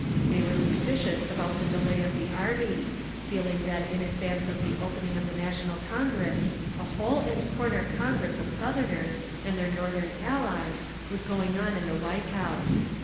They were suspicious about the delay of the army, feeling that in advance of the opening of the national Congress a hole and corner congress of Southerners and their Northern allies was going on in the White House.